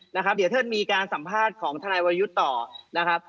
เดี๋ยวเทิดมีการสัมภาษณ์ของทนายวรยุทธ์ต่อ